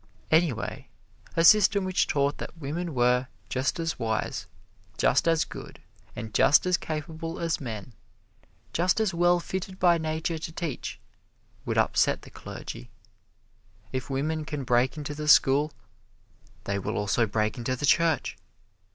Anyway, a system which taught that women were just as wise, just as good and just as capable as men just as well fitted by nature to teach would upset the clergy. If women can break into the school, they will also break into the church.